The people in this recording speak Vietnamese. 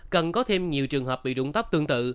cần có thêm nhiều trường hợp bị rụng tóc tương tự